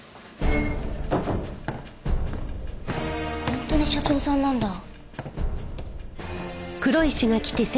本当に社長さんなんだ。